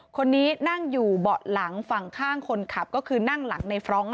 คนนี้นั่งอยู่เบาะหลังฝั่งข้างคนขับก็คือนั่งหลังในฟรองก์